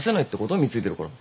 貢いでるから。